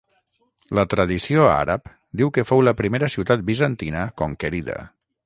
La tradició àrab diu que fou la primera ciutat bizantina conquerida.